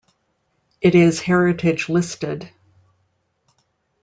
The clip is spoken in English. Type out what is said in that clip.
It is heritage-listed.